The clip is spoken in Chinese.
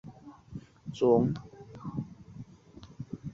腺萼越桔为杜鹃花科越桔属下的一个种。